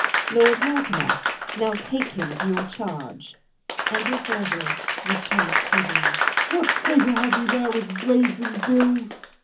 _ Q. Isab. Lord Mortimer, now take him to your charge. Enter Soldiers with KENT prisoner. Y. Mor. What traitor have we there with blades and bills?